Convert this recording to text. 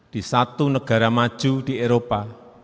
di satu negara maju di eropa